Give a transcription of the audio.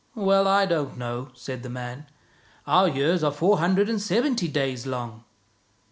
"" Well, I don't know," said the man. " Our years are four hundred and seventy days long."